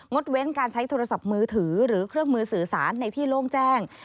ดเว้นการใช้โทรศัพท์มือถือหรือเครื่องมือสื่อสารในที่โล่งแจ้ง